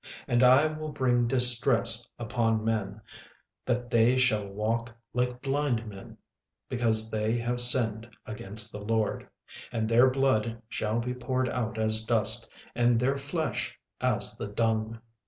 36:001:017 And I will bring distress upon men, that they shall walk like blind men, because they have sinned against the LORD: and their blood shall be poured out as dust, and their flesh as the dung.